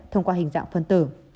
thông qua hình dạng phân tử